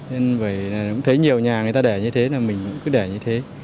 nên vậy là cũng thấy nhiều nhà người ta để như thế là mình cũng cứ để như thế